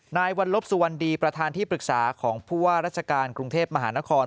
นายวัลลบสุวรรณดีประธานที่ปรึกษาของผู้ว่าราชการกรุงเทพมหานคร